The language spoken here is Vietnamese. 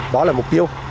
đó là mục tiêu